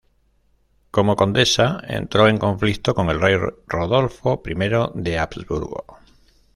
Como condesa, entró en conflicto con el rey Rodolfo I de Habsburgo.